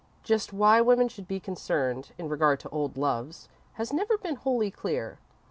Just why women should be concerned in regard to old loves has never been wholly clear.